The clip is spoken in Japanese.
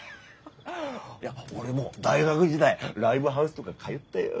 いや俺も大学時代ライブハウスとか通ったよ。